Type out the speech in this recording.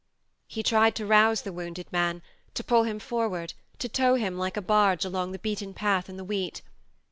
..." He tried to rouse the wounded man, to pull him forward, to tow him like a barge along the beaten path in the wheat.